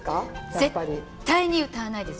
絶対に歌わないです